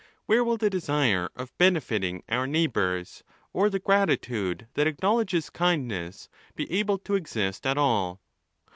Where will the desire of benefitting our neigh bours, or the gratitude that acknowledges kindness, be able to exist at all?